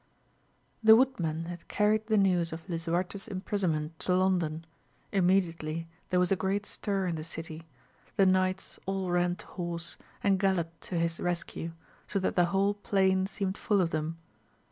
HE woodmen had carried the news of Li suarte's imprisonment to London ; imme diately there was a great stir in the city ; the knights all ran to horse, and gallopped to his rescue, so that the whole plain seemed full of them.